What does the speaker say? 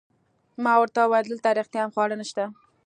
ما ورته وویل: دلته رښتیا هم خواړه نشته؟